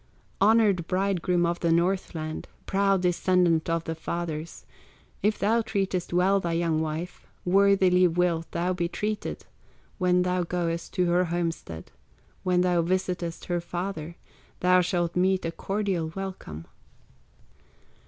"Honored bridegroom of the Northland, Proud descendant of the fathers, If thou treatest well thy young wife, Worthily wilt thou be treated; When thou goest to her homestead, When thou visitest her father, Thou shalt meet a cordial welcome.